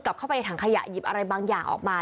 เข้าไปในถังขยะหยิบอะไรบางอย่างออกมา